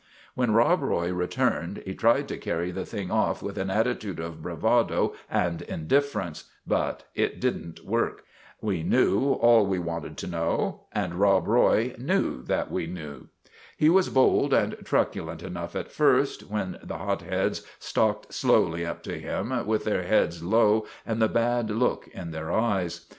" When Rob Roy returned he tried to carry the thing off with an attitude of bravado and indiffer ence ; but it did n't work. We knew all we wanted to know, and Rob Roy knew that we knew. He was bold and truculent enough at first, when the hot heads stalked slowly up to him, with their heads low and the bad look in their eyes.